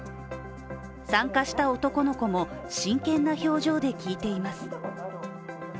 参加した男の子も真剣な表情で聞いています。